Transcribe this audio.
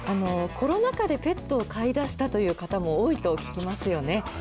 コロナ禍でペットを飼いだしたという方も多いと聞きますよね。